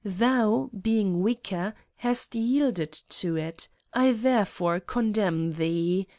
Thou, being weaker ^ hast yielded to it ; J therefore condemn thee.